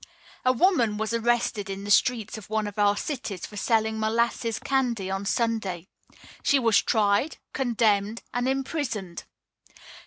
A woman was arrested in the streets of one of our cities for selling molasses candy on Sunday. She was tried, condemned, and imprisoned.